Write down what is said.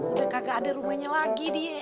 udah kagak ada rumahnya lagi dia